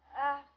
ya kita juga